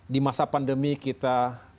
di masa pandemi kita